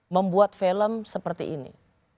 membuat film seperti ini